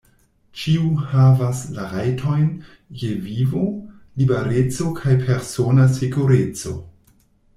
Ĉiu havas la rajtojn je vivo, libereco kaj persona sekureco.